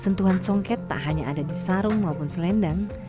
sentuhan songket tak hanya ada di sarung maupun selendang